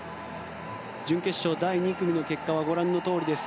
準決勝第２組の結果はご覧のとおりです。